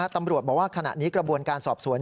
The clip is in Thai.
ตำรวจบอกว่าขณะนี้กระบวนการสอบสวน